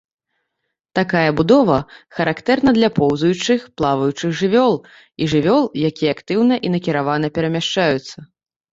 Такая будова характэрна для поўзаючых, плаваючых жывёл і жывёл, якія актыўна і накіравана перамяшчаюцца.